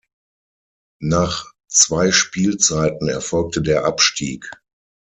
Nach zwei Spielzeiten erfolgte der Abstieg.